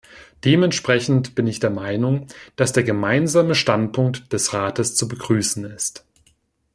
Dementsprechend bin ich der Meinung, dass der Gemeinsame Standpunkt des Rates zu begrüßen ist.